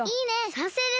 さんせいです！